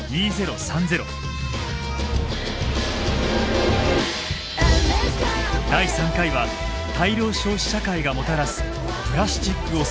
第３回は大量消費社会がもたらすプラスチック汚染。